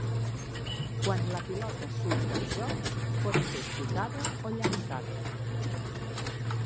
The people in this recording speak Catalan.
Quan la pilota surt del joc, pot ser xutada o llançada.